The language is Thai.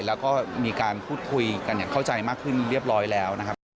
แล้วก็มีการพูดคุยกันอย่างเข้าใจมากขึ้นเรียบร้อยแล้วนะครับ